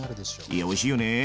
いやおいしいよね。